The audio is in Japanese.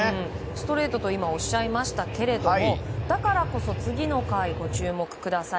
ストレートとおっしゃいましたけれどもだからこそ、次の回ご注目ください。